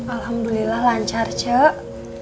alhamdulillah lancar cuk